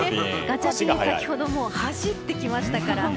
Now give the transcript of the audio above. ガチャピン、先ほど走ってきましたから。